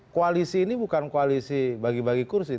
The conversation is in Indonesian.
koalisi ini bukan koalisi bagi bagi kursi